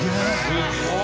すごい。